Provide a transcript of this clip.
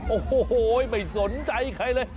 โอ้โหไม่สนใจใครเลย